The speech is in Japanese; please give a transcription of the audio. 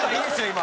今。